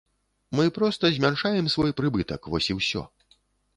Мы проста змяншаем свой прыбытак, вось і ўсё.